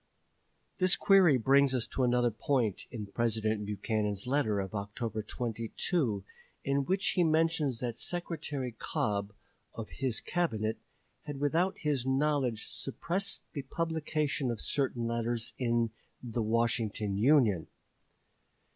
This query brings us to another point in President Buchanan's letter of October 22, in which he mentions that Secretary Cobb, of his Cabinet, had without his knowledge suppressed the publication of certain letters in the "Washington Union."